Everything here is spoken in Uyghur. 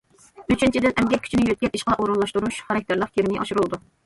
ئۈچىنچىدىن، ئەمگەك كۈچىنى يۆتكەپ ئىشقا ئورۇنلاشتۇرۇش خاراكتېرلىك كىرىمى ئاشۇرۇلىدۇ.